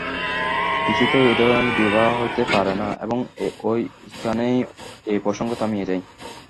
কিছুতেই এ ধরনের বিবাহ হইতে পারে না এবং এইখানেই এ প্রসঙ্গ থামিয়া যায়।